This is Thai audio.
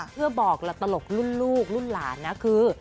เพื่อบอกละตลกรุ่นลูกรุ่นหลานนะคือ